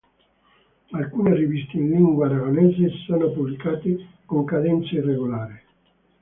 Alcune riviste in lingua aragonese sono pubblicate con cadenza irregolare.